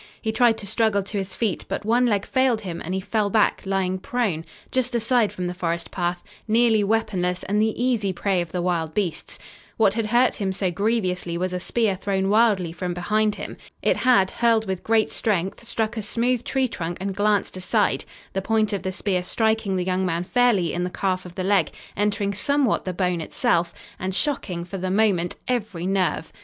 He tried to struggle to his feet, but one leg failed him and he fell back, lying prone, just aside from the forest path, nearly weaponless and the easy prey of the wild beasts. What had hurt him so grievously was a spear thrown wildly from behind him. It had, hurled with great strength, struck a smooth tree trunk and glanced aside, the point of the spear striking the young man fairly in the calf of the leg, entering somewhat the bone itself, and shocking, for the moment, every nerve.